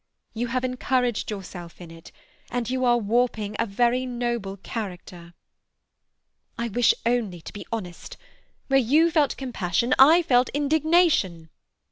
You have encouraged yourself in it, and you are warping a very noble character." "I wish only to be honest. Where you felt compassion I felt indignation."